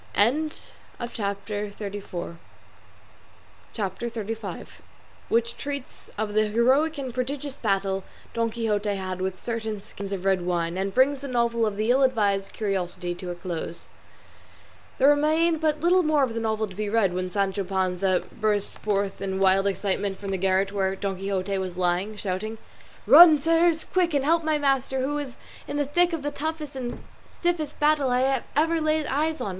CHAPTER XXXV. WHICH TREATS OF THE HEROIC AND PRODIGIOUS BATTLE DON QUIXOTE HAD WITH CERTAIN SKINS OF RED WINE, AND BRINGS THE NOVEL OF "THE ILL ADVISED CURIOSITY" TO A CLOSE There remained but little more of the novel to be read, when Sancho Panza burst forth in wild excitement from the garret where Don Quixote was lying, shouting, "Run, sirs! quick; and help my master, who is in the thick of the toughest and stiffest battle I ever laid eyes on.